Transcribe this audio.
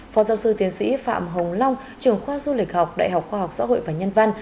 phó giáo sư tiến sĩ phạm hồng long trường khoa du lịch học đại học khoa học xã hội và nhân văn